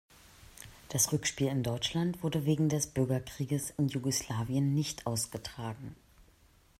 Das Rückspiel in Deutschland wurde wegen des Bürgerkrieges in Jugoslawien nicht ausgetragen.